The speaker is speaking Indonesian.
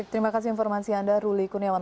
terima kasih informasi anda ruli kurniawan